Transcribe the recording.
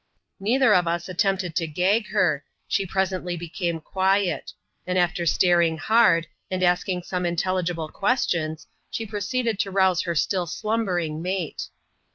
Neither of us attempt ^g to gag her, she presently became quiet ; and after staring hard, and asking some unintelligible questions, she proceeded to rouse her still slumbering mate.